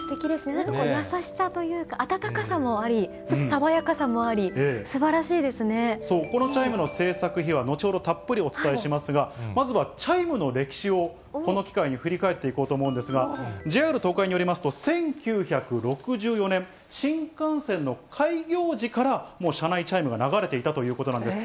なんか優しさというか、温かさもあり、爽やかさもあり、すばらしそう、このチャイムの制作秘話、後ほどたっぷりお伝えしますが、まずはチャイムの歴史をこの機会に振り返っていこうと思うんですが、ＪＲ東海によりますと、１９６４年、新幹線の開業時から、もう車内チャイムが流れていたということなんです。